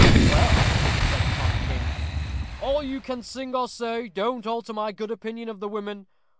"Well," said Tom King, "all you can sing or say don't alter my good opinion of the women.